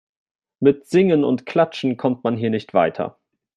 Mit Singen und Klatschen kommt man hier nicht weiter.